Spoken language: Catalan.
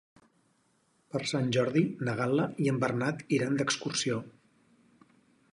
Per Sant Jordi na Gal·la i en Bernat iran d'excursió.